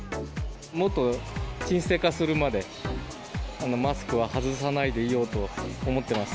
もっと沈静化するまで、マスクは外さないでいようと思ってます。